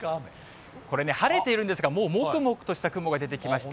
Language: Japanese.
これね、晴れているんですが、もうもくもくとした雲が出てきました。